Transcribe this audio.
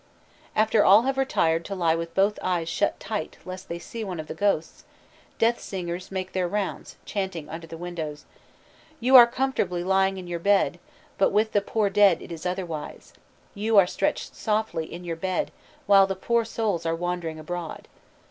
After all have retired to lie with both eyes shut tight lest they see one of the guests, death singers make their rounds, chanting under the windows: "You are comfortably lying in your bed, But with the poor dead it is otherwise; You are stretched softly in your bed While the poor souls are wandering abroad.